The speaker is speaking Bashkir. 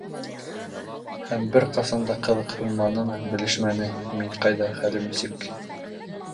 Һәм бер ҡасан да ҡыҙыҡһынманы, белешмәне: мин ҡайҙа, хәлем нисек?